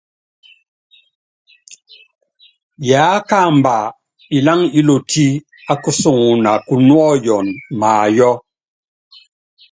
Yákamba iláŋa ílotí á kusuŋuna kunúɔ́yɔnɔ mayɔ́.